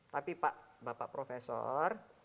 tapi pak bapak profesor